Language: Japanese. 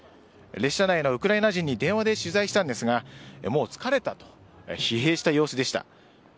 列車内のウクライナ人に電話で取材したんですがもう疲れたと疲弊した様子でした。